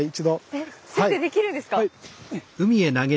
えっ先生できるんですか？